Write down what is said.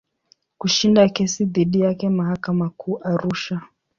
Kushinda kesi dhidi yake mahakama Kuu Arusha.